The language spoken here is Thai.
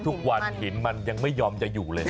ไหวนหินมันยังไม่ยอมจะอยู่เลย